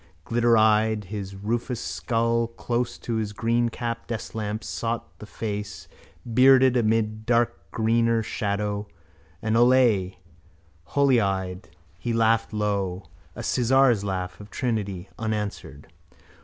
Glittereyed his rufous skull close to his greencapped desklamp sought the face bearded amid darkgreener shadow, an ollav, holyeyed. He laughed low: a sizar's laugh of Trinity: unanswered.